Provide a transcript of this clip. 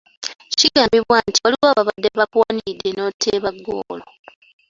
Kigambibwa nti waliwo ababadde bakuwaniridde n'oteeba ggoolo.